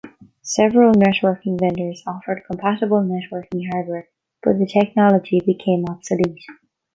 Several networking vendors offered compatible networking hardware, but the technology became obsolete.